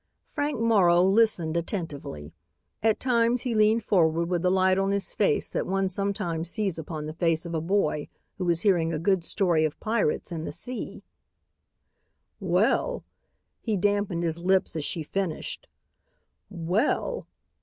Frank Morrow listened attentively. At times he leaned forward with the light on his face that one sometimes sees upon the face of a boy who is hearing a good story of pirates and the sea. "Well," he dampened his lips as she finished, "well!"